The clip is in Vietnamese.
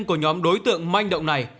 của nhóm đối tượng manh động này